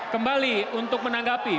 kembali untuk menanggapi